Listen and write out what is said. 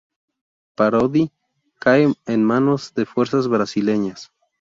Parodi cae en manos de fuerzas brasileñas.